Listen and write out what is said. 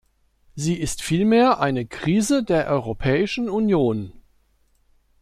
Sie ist vielmehr eine Krise der Europäischen Union.